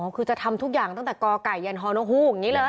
คือจะทำทุกอย่างตั้งแต่กไก่ยันฮนกฮูกอย่างนี้เลย